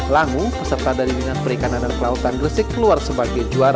langu peserta dari dinas perikanan dan kelautan gresik keluar sebagai juara